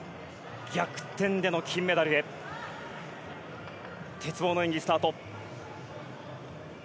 逆転への金メダルへ鉄棒の演技スタート。